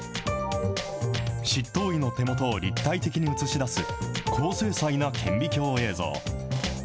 執刀医の手元を立体的に映し出す高精細な顕微鏡映像。